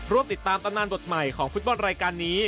ติดตามตำนานบทใหม่ของฟุตบอลรายการนี้